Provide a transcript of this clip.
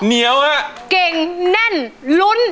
เหนียวฮะเก่งแน่นลุ้น